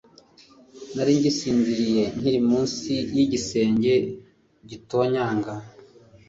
Nari nsinziriye nkiri munsi yigisenge gitonyanga